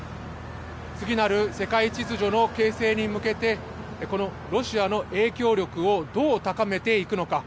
次なる世界秩序の形成に向けてこのロシアの影響力をどう高めていくのか。